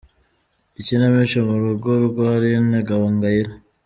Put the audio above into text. Ikinamico mu rugo rwa Aline Gahongayire .